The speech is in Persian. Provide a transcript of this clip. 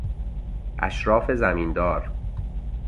اشراف زمیندار